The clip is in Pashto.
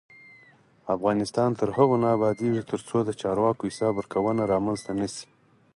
افغانستان تر هغو نه ابادیږي، ترڅو د چارواکو حساب ورکونه رامنځته نشي.